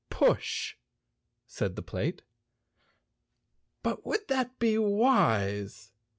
"Push!" said the plate. "But would that be wise?"